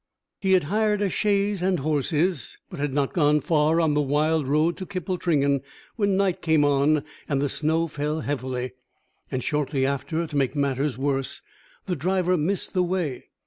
He had hired a chaise and horses, but had not gone far on the wild road to Kippletringan when night came on and the snow fell heavily; and shortly after, to make matters worse, the driver missed the way.